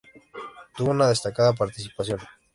Tuvo una destacada participación.